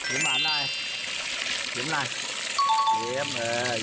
ยิ้มหวานหน่อยยิ้มหน่อย